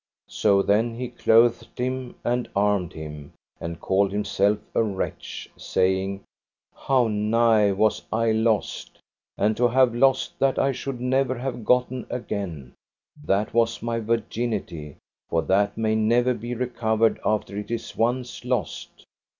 So then he clothed him and armed him, and called himself a wretch, saying: How nigh was I lost, and to have lost that I should never have gotten again, that was my virginity, for that may never be recovered after it is once lost.